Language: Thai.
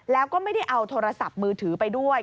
แล้วก็ไม่ได้เอาโทรศัพท์มือถือไปด้วย